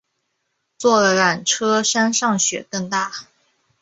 坐了缆车山上雪更大